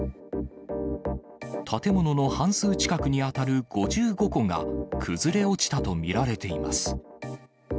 建物の半数近くに当たる５５戸が崩れ落ちたと見られています。